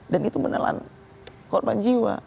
dan itu menelan korban jiwa